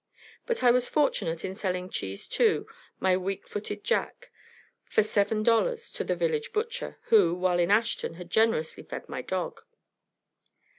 But I was fortunate in selling Cheese II, my weak footed jack, for seven dollars to the village butcher, who, while in Ashton, had generously fed my dog.